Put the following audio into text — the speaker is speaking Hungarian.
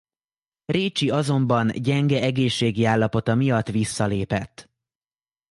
Récsi azonban gyenge egészségi állapota miatt visszalépett.